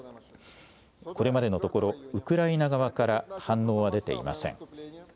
これまでのところ、ウクライナ側から反応は出ていません。